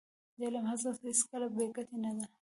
د علم هڅه هېڅکله بې ګټې نه ده.